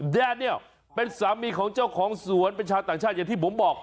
แดเนียลเป็นสามีของเจ้าของสวนเป็นชาวต่างชาติอย่างที่ผมบอก